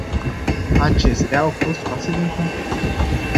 Acestea au fost scoase din context.